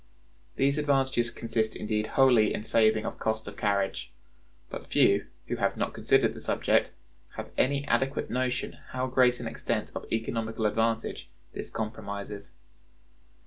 These advantages consist indeed wholly in saving of cost of carriage. But few, who have not considered the subject, have any adequate notion how great an extent of economical advantage this comprises.